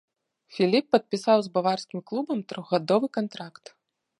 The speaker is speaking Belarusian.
Філіп падпісаў з баварскім клубам трохгадовы кантракт.